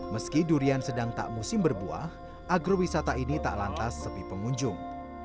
meski durian sedang tak musim berbuah agrowisata ini tak lantas sepi pengunjung